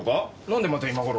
何でまた今頃。